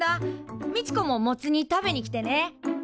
みちこもモツ煮食べに来てね。